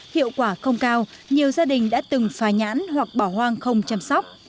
hiệu quả không cao nhiều gia đình đã từng phá nhãn hoặc bỏ hoang không chăm sóc